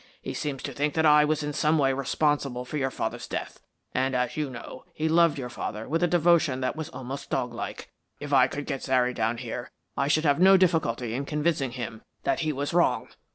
He seems to think that I was in some way responsible for your father's death. And, as you know, he loved your father with a devotion that was almost dog like. If I could get Zary down here I should have no difficulty in convincing him that he was wrong.